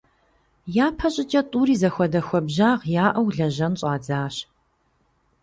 ЯпэщӀыкӀэ тӀури зэхуэдэ хуабжьагъ яӀэу лэжьэн щӀадзащ.